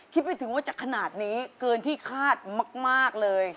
คิดไม่ถึงว่าจะขนาดนี้เกินที่คาดมากเลย